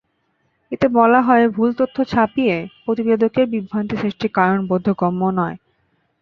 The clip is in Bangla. এতে বলা হয়, ভুল তথ্য ছাপিয়ে প্রতিবেদকের বিভ্রান্তি সৃষ্টির কারণ বোধগম্য নয়।